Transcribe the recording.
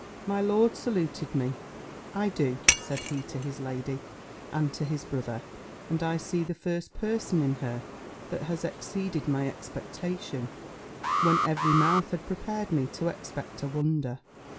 My lord saluted me: "I do," said he to his lady, and to his brother; "and I see the first person in her, that has exceeded my expectation, when every mouth had prepared me to expect a wonder."